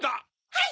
はい！